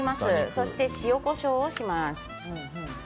そして塩、こしょうをします。